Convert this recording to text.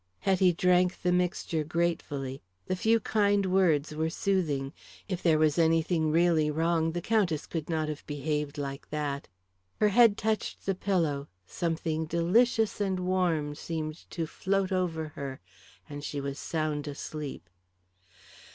Hetty drank the mixture gratefully. The few kind words were soothing. If there was anything really wrong the Countess could not have behaved like that. Her head touched the pillow, something delicious and warm seemed to float over her, and she was sound asleep.